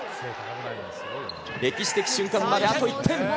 歴史的瞬間まであと１点。